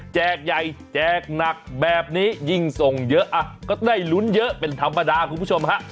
ใหญ่แจกหนักแบบนี้ยิ่งส่งเยอะก็ได้ลุ้นเยอะเป็นธรรมดาคุณผู้ชมฮะ